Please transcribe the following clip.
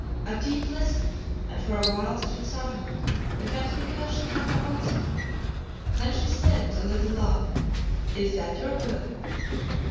Atene listened and for a while stood silent, perhaps because she had no answer. Then she said with a little laugh "Is that your will?